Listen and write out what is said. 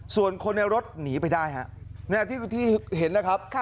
ส่วนคนในรถหนีไปได้ฮะที่เห็นนะครับ